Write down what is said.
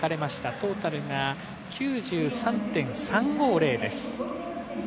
トータル９３．３５０です。